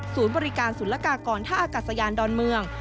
สูตรบริการสุรกากรท่าอากาศยานดอนเมือง